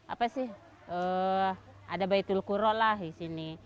apa sih ada betul kuro lah di sini